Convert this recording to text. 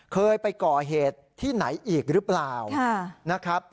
เคยไปก่อเหตุที่ไหนอีกหรือเปล่านะครับ